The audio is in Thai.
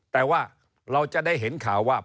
แต่ว่าเราจะได้เห็นข่าวว่า